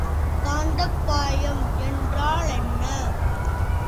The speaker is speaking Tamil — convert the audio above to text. காந்தப்பாயம் என்றால் என்ன?